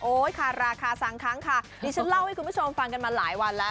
คาราคา๓ครั้งค่ะดิฉันเล่าให้คุณผู้ชมฟังกันมาหลายวันแล้ว